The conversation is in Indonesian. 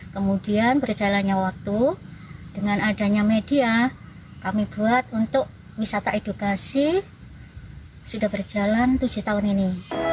kemudian berjalannya waktu dengan adanya media kami buat untuk wisata edukasi sudah berjalan tujuh tahun ini